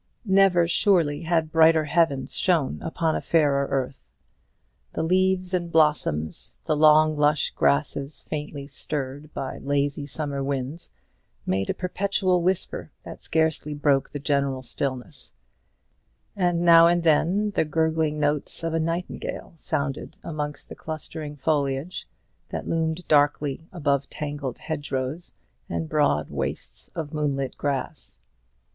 Never surely had brighter heavens shone upon a fairer earth. The leaves and blossoms, the long lush grasses faintly stirred by lazy summer winds, made a perpetual whisper that scarcely broke the general stillness: and now and then the gurgling notes of a nightingale sounded amongst the clustering foliage that loomed darkly above tangled hedgerows, and broad wastes of moonlit grass.